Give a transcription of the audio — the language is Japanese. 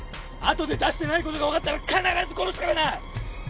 後で出してないことが分かったら必ず殺すからな。